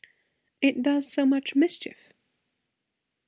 "It does so much mischief."